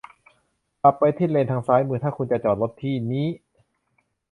ขับไปที่เลนทางซ้ายมือถ้าคุณจะจอดรถที่นี้